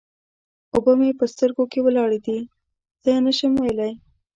اوبه مې په سترګو کې ولاړې دې؛ څه نه شم ويلای.